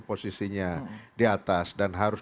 posisinya di atas dan harus